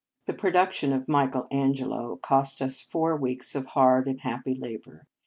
The production of " Michael An gelo " cost us four weeks of hard and happy labour.